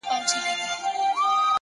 هر وخت يې ښكلومه د هوا پر ځنگانه.!